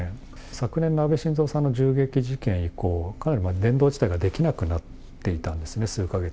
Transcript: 昨年の安倍晋三さんの銃撃事件以降、かなり伝道自体ができなくなっていたんですね、数か月。